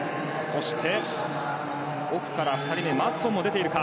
そして奥から２人目マッツォンも出ているか。